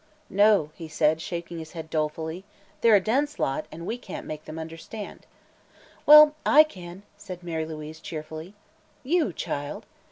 "No," he said, shaking his head dolefully, "they're a dense lot, and we can't make them understand." "Well, I can," said Mary Louise, cheerfully. "You, child?"